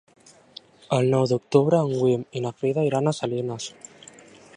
El nou d'octubre en Guim i na Frida iran a Salines.